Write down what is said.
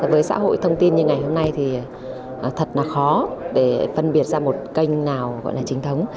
với xã hội thông tin như ngày hôm nay thì thật là khó để phân biệt ra một kênh nào gọi là chính thống